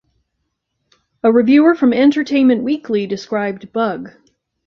A reviewer from "Entertainment Weekly" described "Bug!